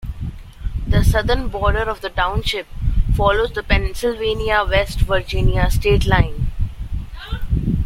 The southern border of the township follows the Pennsylvania-West Virginia state line.